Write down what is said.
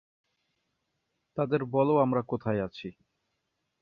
তাদের বল আমরা কোথায় আছি।